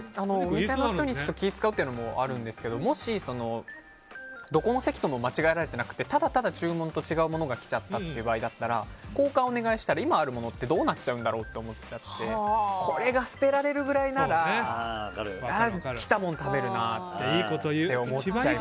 店の人に気を使うっていうのもあるんだけどもし、どこの席とも間違えられてなくてただただ注文と違うものが来ちゃった場合だったら交換をお願いしたら今あるものってどうなるんだろうと思っちゃってこれが捨てられるぐらいなら来たもの食べるなって思っちゃう。